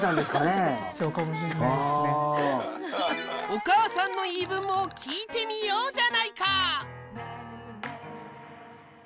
お母さんの言い分も聞いてみようじゃないか！